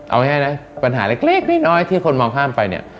เอาง่ายนะปัญหาเล็กน้อยที่คนมองข้ามไปเนี่ย